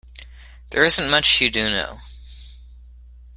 There isn't much you do know.